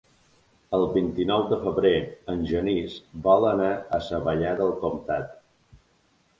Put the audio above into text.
El vint-i-nou de febrer en Genís vol anar a Savallà del Comtat.